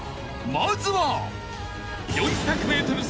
［まずは］